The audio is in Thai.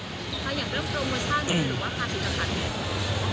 คุณอยากเริ่มโปรโมชั่นหรือว่าคาผิดขาด